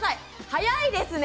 早いですね！